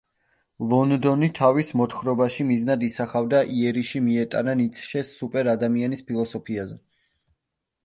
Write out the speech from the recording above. ლონდონი თავის მოთხრობაში მიზნად ისახავდა იერიში მიეტანა ნიცშეს სუპერ ადამიანის ფილოსოფიაზე.